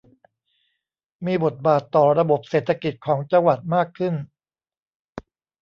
มีบทบาทต่อระบบเศรษฐกิจของจังหวัดมากขึ้น